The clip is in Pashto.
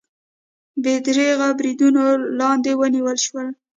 بې درېغو بریدونو لاندې ونیول شول